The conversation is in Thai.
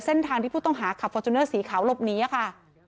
เส้นทางที่ผู้ต้องหาขับฟอร์จูเนอร์สีขาวหลบหนีค่ะ